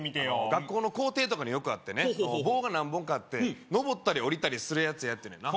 学校の校庭とかによくあってね棒が何本かあってのぼったり下りたりするやつやって言うねんな